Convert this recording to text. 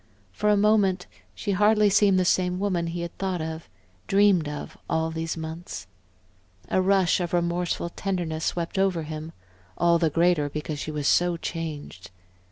For a moment she hardly seemed the same woman he had thought of, dreamed of, all these months. A rush of remorseful tenderness swept over him, all the greater because she was so changed.